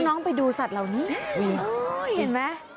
น้องไปดูสัตว์เหล่านี้เห็นไหม